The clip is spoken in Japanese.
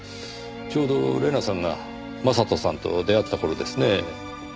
ちょうど玲奈さんが将人さんと出会った頃ですね。